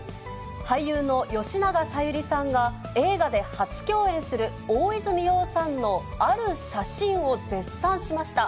俳優の吉永小百合さんが、映画で初共演する大泉洋さんのある写真を絶賛しました。